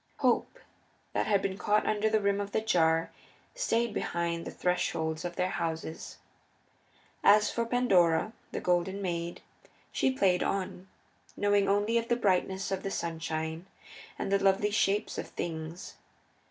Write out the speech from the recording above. Hope, that had been caught under the rim of the jar, stayed behind the thresholds of their houses. As for Pandora, the Golden Maid, she played on, knowing only the brightness of the sunshine and the lovely shapes of things.